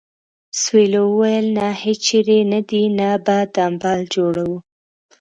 سویلو وویل نه هیچېرې نه دې نه به تمبل جوړوو.